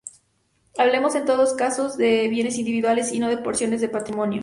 Hablamos en todo caso de bienes individuales, y no de porciones del patrimonio.